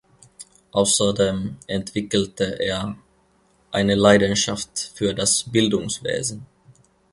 Außerdem entwickelte er eine Leidenschaft für das Bildungswesen.